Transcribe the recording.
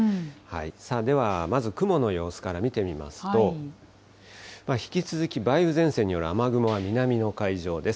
さあ、ではまず、雲の様子から見てみますと、引き続き梅雨前線による雨雲は南の海上です。